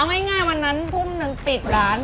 เอาง่ายวันนั้นทุ่มหนึ่งปิดร้าน